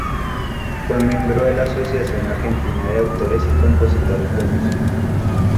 Fue miembro de la Asociación Argentina de Autores y Compositores de música.